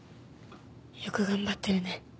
よく頑張ってるね。